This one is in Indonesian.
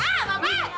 ah pak pen